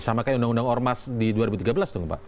sama kayak undang undang ormas di dua ribu tiga belas tuh pak